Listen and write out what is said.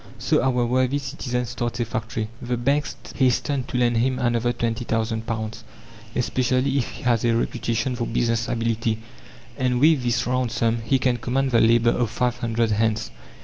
So our worthy citizen starts a factory. The banks hasten to lend him another £20,000, especially if he has a reputation for "business ability"; and with this round sum he can command the labour of five hundred hands.